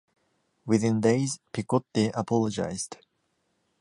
Within days, Picotte apologized.